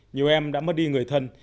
nhiều em đã mất đi người thân